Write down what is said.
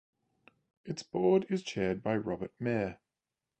Its board is chaired by Robert Mair.